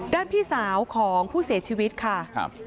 พี่สาวของผู้เสียชีวิตค่ะ